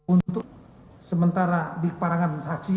untuk sementara di parangan saksi